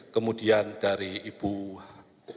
kemudian dari ibu depok